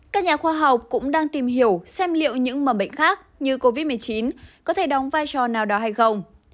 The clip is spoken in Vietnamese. các nhà khoa học cũng đang tìm hiểu xem liệu những mầm bệnh khác như covid một mươi chín có thể đóng vai trò nào đó hay không